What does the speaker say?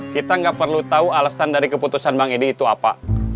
kita nggak perlu tahu alasan dari keputusan bang edi itu apa